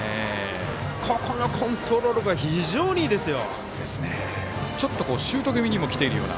このコントロールが非常にいいですよ。